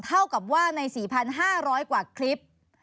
เท่ากับว่าใน๔๕๐๐กว่าคลิป